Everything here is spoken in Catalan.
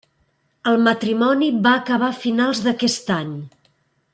El matrimoni va acabar a finals d'aquest any.